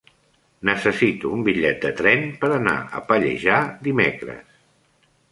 Necessito un bitllet de tren per anar a Pallejà dimecres.